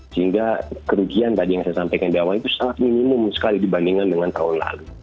sehingga kerugian tadi yang saya sampaikan di awal itu sangat minimum sekali dibandingkan dengan tahun lalu